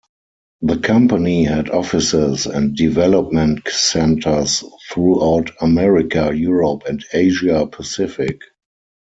The company had offices and development centers throughout America, Europe and Asia Pacific.